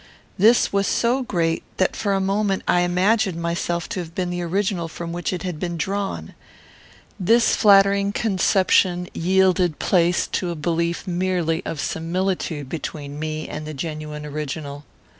This was so great that for a moment I imagined myself to have been the original from which it had been drawn. This flattering conception yielded place to a belief merely of similitude between me and the genuine original.